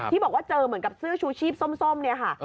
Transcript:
บอกว่าเจอเหมือนกับเสื้อชูชีพส้มเนี่ยค่ะ